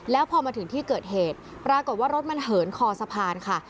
แล้วพอมาถึงที่เกิดเหตุปรากฏว่ารถมันเหินคอสะพานค่ะ